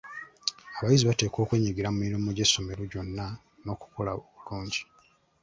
Abayizi bateekwa okwenyigira mu mirimu gy'essomero gyonna n'okukola obulungi.